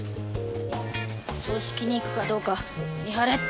葬式に行くかどうか見張れって！